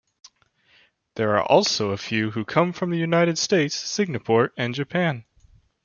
There are also a few who come from the United States, Singapore, and Japan.